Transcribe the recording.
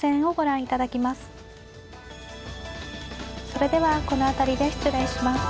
それではこの辺りで失礼します。